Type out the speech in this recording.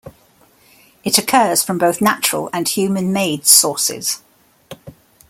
It occurs from both natural and human-made sources.